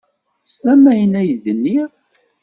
Teslam ayen ay d-nniɣ.